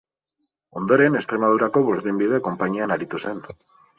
Ondoren Extremadurako burdinbide konpainian aritu zen.